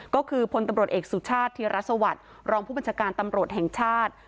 ก็คือพลตำรวจเอกสุชาติธีรสวัสดิ์รองผู้บัญชาการตำรวจแห่งชาติ